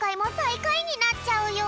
いかいになっちゃうよ。